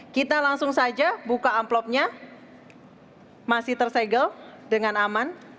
kita langsung saja buka amplopnya masih tersegel dengan aman